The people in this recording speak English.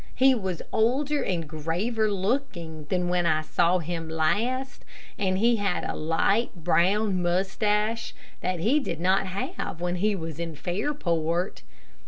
He was older and graver looking than when I saw him last, and he had a light, brown moustache that he did not have when he was in Fairport.